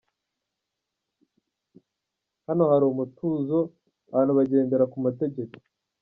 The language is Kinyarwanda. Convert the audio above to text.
Hano hari umutuzo, abantu bagendera ku mategeko….